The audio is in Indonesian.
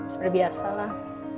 seperti biasa lah